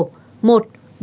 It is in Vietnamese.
một bộ ngoại giao